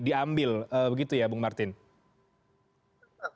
jadi ini masih berdasarkan penglihatan dari foto yang kemudian di penglihatkan